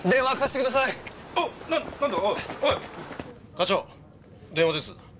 課長電話です。